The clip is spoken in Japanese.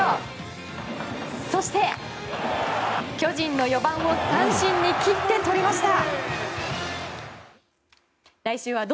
そして、巨人の４番を三振に切って取りました。